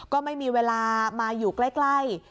ก็ไม่มีเวลามาอยู่ใกล้